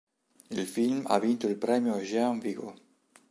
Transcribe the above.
Il film ha vinto il Premio Jean Vigo.